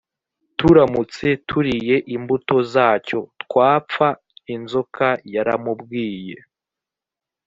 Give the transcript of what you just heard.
turamutse turiye imbuto zacyo twapfa inzoka yaramubwiye